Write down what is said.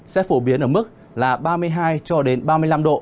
sẽ phổ biến ở mức là ba mươi hai ba mươi năm độ